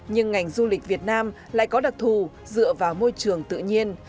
nhưng ngành du lịch việt nam lại có đặc thù dựa vào môi trường tự nhiên